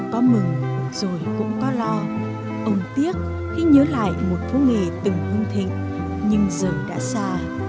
có mừng rồi cũng có lo ông tiếc khi nhớ lại một phũ nghề từng huân thịnh nhưng giờ đã xa